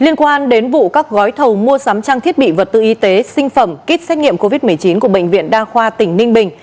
liên quan đến vụ các gói thầu mua sắm trang thiết bị vật tư y tế sinh phẩm kit xét nghiệm covid một mươi chín của bệnh viện đa khoa tỉnh ninh bình